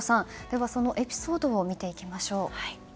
では、そのエピソードを見ていきましょう。